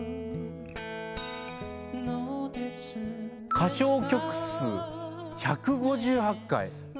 歌唱曲数１５８回。